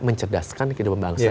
mencerdaskan kehidupan bangsa